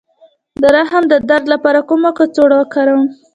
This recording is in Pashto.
د رحم د درد لپاره کومه کڅوړه وکاروم؟